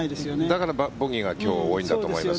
だからボギーが今日、多いんだと思います。